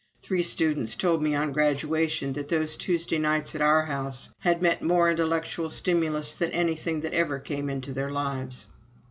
Three students told me on graduation that those Tuesday nights at our house had meant more intellectual stimulus than anything that ever came into their lives.